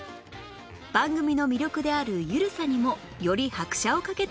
番組の魅力である「緩さ」にもより拍車をかけていきます